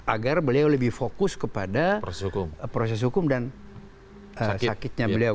agar beliau lebih fokus kepada proses hukum dan sakitnya beliau